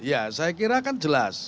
ya saya kira kan jelas